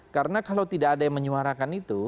karena kalau tidak ada yang menyuarakan itu